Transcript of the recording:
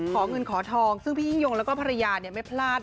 ขอเงินขอทองซึ่งพี่ยิ่งยงแล้วก็ภรรยาไม่พลาด